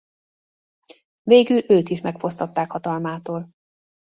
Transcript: Végül őt is megfosztották hatalmától.